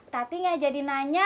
tati gak jadi nanya